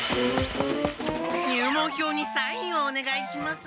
入門票にサインをおねがいします。